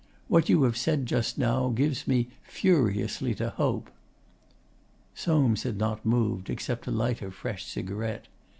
What you have said just now gives me furiously to hope.' Soames had not moved, except to light a fresh cigarette.